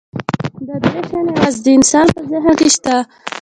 دا درې شیان یواځې د انسان په ذهن کې شته.